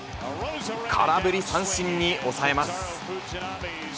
空振り三振に抑えます。